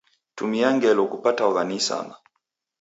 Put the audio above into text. Tumia ngelo kupatwagha ni isama.